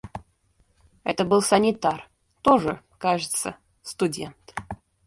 Это был санитар, тоже, кажется, студент.